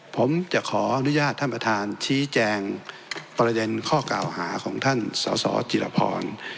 ผมจะขออนุญาตท่านประธานชี้แจงประเด็นข้อกล่าวหาของท่านสสจิรพร